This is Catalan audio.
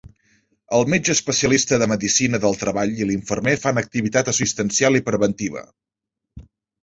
El metge especialista de medicina del treball i l'infermer fan activitat assistencial i preventiva.